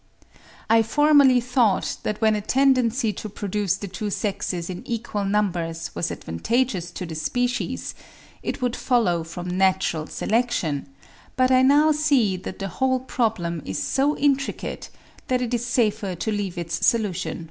I formerly thought that when a tendency to produce the two sexes in equal numbers was advantageous to the species, it would follow from natural selection, but I now see that the whole problem is so intricate that it is safer to leave its solution for the future.